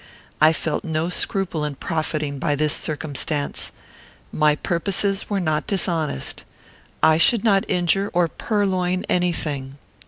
I felt no scruple in profiting by this circumstance. My purposes were not dishonest. I should not injure or purloin any thing.